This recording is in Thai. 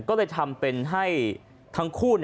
ก็เลยทำให้ทั้งคู่